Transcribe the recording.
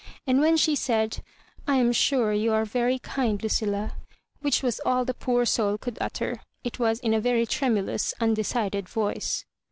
And when she said, "I am sure you are very kind, Lucilla^" which was all the poor soul could titter, it was in a very tremulous undecided voice.